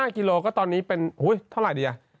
๕กิโลก้อตอนนี้เป็นเฮ้ยเท่าไรดี